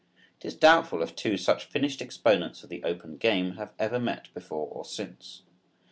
It is doubtful if two such finished exponents of the open game have ever met before or since.